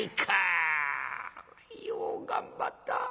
よう頑張った。